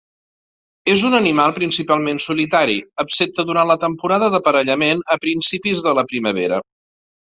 És un animal principalment solitari, excepte durant la temporada d'aparellament a principis de la primavera.